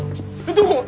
どこ！？